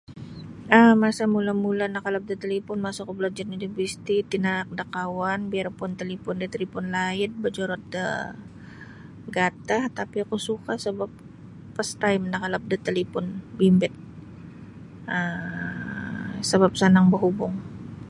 um masa mula-mula nakalap da talipon masa oku balajar da universiti tinaak da kawan biarpun talipon ri talipon laid bojorot do gatah tapi oku suka sabap first time nakalap da talipon bimbit um sabap sanang bahubung.